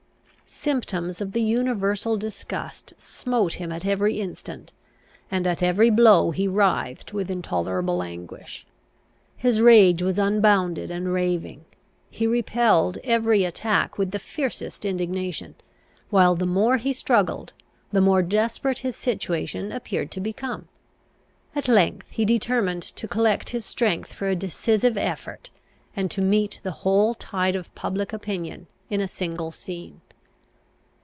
Symptoms of the universal disgust smote him at every instant, and at every blow he writhed with intolerable anguish. His rage was unbounded and raving. He repelled every attack with the fiercest indignation; while the more he struggled, the more desperate his situation appeared to become. At length he determined to collect his strength for a decisive effort, and to meet the whole tide of public opinion in a single scene.